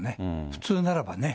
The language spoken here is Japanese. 普通ならばね。